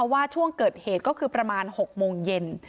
ว่าช่วงเกิดเหตุก็คือประมาณ๖โมงเย็น